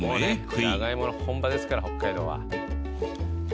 ジャガイモの本場ですから北海道は。